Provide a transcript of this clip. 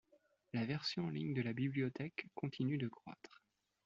La version en ligne de la bibliothèque continue de croître.